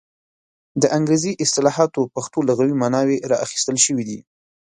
د انګریزي اصطلاحاتو پښتو لغوي ماناوې را اخیستل شوې دي.